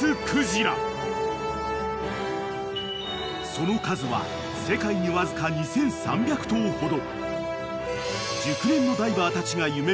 ［その数は世界にわずか２，３００頭ほど］